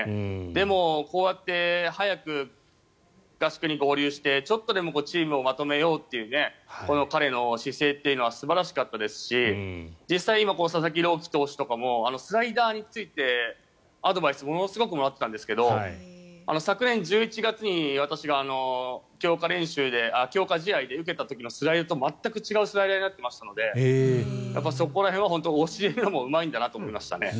でも、こうやって早く合宿に合流してちょっとでもチームをまとめようという彼の姿勢というのは素晴らしかったですし実際に佐々木朗希投手とかもスライダーについてアドバイスものすごくもらってたんですけど昨年１１月に私が強化試合で受けた時のスライダーと全く違うスライダーになっていましたのでそこら辺は教えるのもうまいんだなと思いましたね。